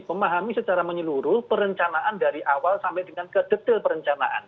memahami secara menyeluruh perencanaan dari awal sampai dengan ke detail perencanaan